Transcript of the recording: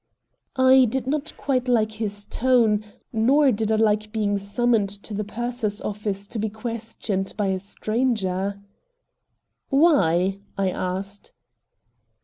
I did not quite like his tone, nor did I like being summoned to the purser's office to be questioned by a stranger. "Why?" I asked.